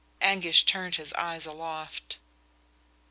Anguish turned his eyes aloft.